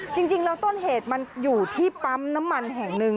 จริงแล้วต้นเหตุมันอยู่ที่ปั๊มน้ำมันแห่งหนึ่ง